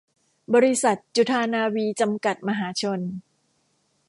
บริษัท จุฑานาวี จำกัด มหาชน